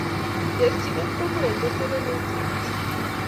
Terchinet ko muren kotelel eng yachen